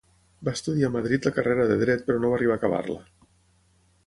Va estudiar a Madrid la carrera de Dret però no va arribar a acabar-la.